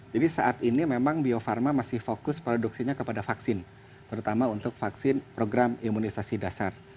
jadi saat ini memang bio farma masih fokus produksinya kepada vaksin terutama untuk vaksin program imunisasi dasar